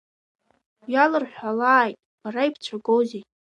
Иалырҳәалааит, бара ибцәагозеи?